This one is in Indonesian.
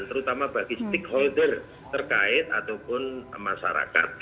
terutama bagi stakeholder terkait ataupun masyarakat